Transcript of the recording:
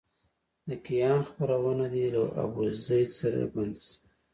د کیان خپرونه دې له ابوزید سره بنده شي.